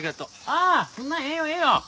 ああそんなんええよええよ！